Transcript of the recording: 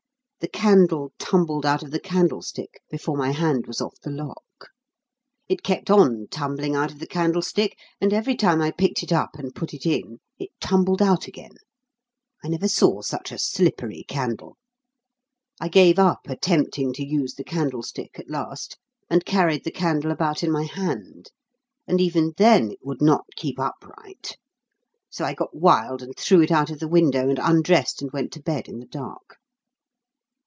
The candle tumbled out of the candlestick before my hand was off the lock. It kept on tumbling out of the candlestick, and every time I picked put it up and put it in, it tumbled out again: I never saw such a slippery candle. I gave up attempting to use the candlestick at last, and carried the candle about in my hand; and, even then, it would not keep upright. So I got wild and threw it out of window, and undressed and went to bed in the dark.